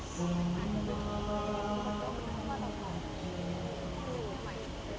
มันควรแดบก็ได้